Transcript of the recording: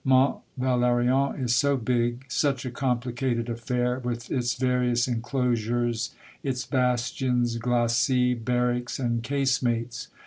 Mont Valerien is so big, such a complicated affair, with its various enclosures, its bastions, glacis, barracks, and casemates